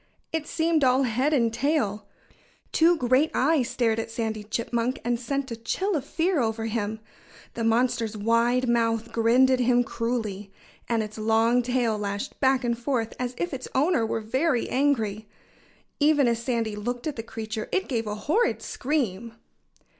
It seemed all head and tail. Two great eyes stared at Sandy Chipmunk and sent a chill of fear over him. The monster's wide mouth grinned at him cruelly. And its long tail lashed back and forth as if its owner were very angry. Even as Sandy looked at the creature it gave a horrid scream.